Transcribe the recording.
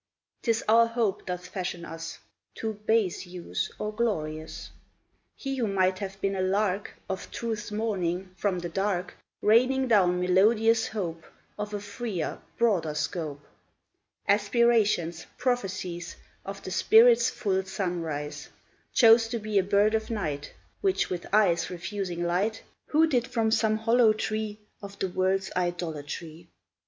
'Tis our hope doth fashion us To base use or glorious: He who might have been a lark Of Truth's morning, from the dark Raining down melodious hope Of a freer, broader scope, Aspirations, prophecies, Of the spirit's full sunrise, Chose to be a bird of night, Which with eyes refusing light, Hooted from some hollow tree Of the world's idolatry.